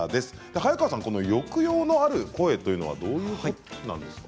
早川さん、この抑揚のある声というのはどういう声なんですか。